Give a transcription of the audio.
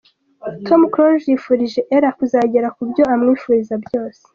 Tom Close yifurije Ella kuzagera ku byo amwifuriza byose.